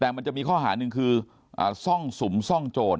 แต่มันจะมีข้อหาหนึ่งคือซ่องสุมซ่องโจร